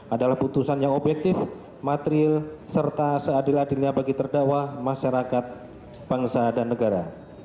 adalah putusan yang objektif material serta seadil adilnya bagi terdakwa masyarakat bangsa dan negara